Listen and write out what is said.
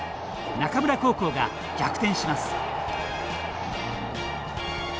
中村高校が逆転します。